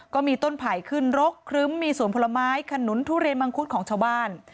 ก็มีต้นไผ่ขึ้นรกครึ้มมีสวนผลไม้ขนุนทุเรียนมังคุดของชาวบ้าน